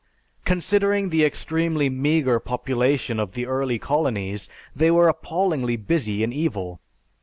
Considering the extremely meagre population of the early colonies, they were appallingly busy in evil.